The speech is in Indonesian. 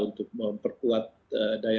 untuk memperkuat daya